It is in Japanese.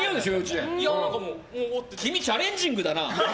君、チャレンジングだな。